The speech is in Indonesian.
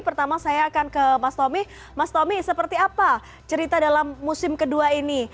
pertama saya akan ke mas tommy mas tommy seperti apa cerita dalam musim kedua ini